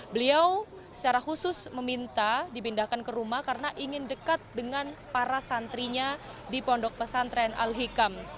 beliau secara khusus meminta dipindahkan ke rumah karena ingin dekat dengan para santrinya di pondok pesantren al hikam